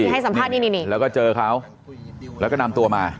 ให้สัมภาษณ์นี่แล้วก็เจอเขาแล้วก็นำตัวมา